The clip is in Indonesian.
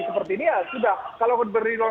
seperti ini ya sudah kalau diberi ruang